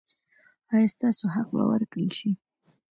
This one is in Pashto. ایا ستاسو حق به ورکړل شي؟